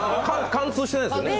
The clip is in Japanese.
貫通してないですよね。